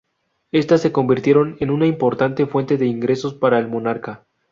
Estas se convirtieron en una importante fuente de ingresos para el monarca.